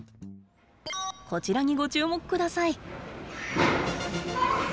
こちらにご注目ください。